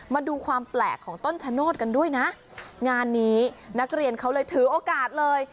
มาดูความแปลกของต้นชะโนธกันด้วยนะงานนี้นักเรียนเขาเลยถือโอกาสเลย